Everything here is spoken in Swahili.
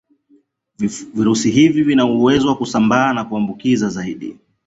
Virusi hivi vina uwezo wa kusambaa na kuambukiza zaidi